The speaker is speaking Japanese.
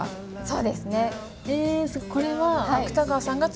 そうですね。